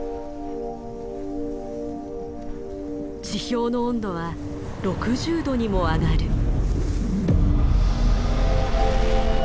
地表の温度は６０度にも上がる。